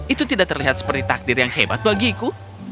itu tidak terlihat seperti takdir yang hebat bagiku